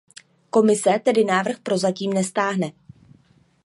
Komise tedy návrh prozatím nestáhne.